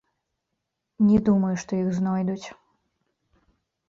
Не думаю, што іх знойдуць.